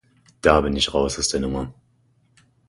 Da bin ich raus aus der Nummer!